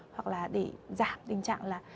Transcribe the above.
hoặc là để giảm tình trạng là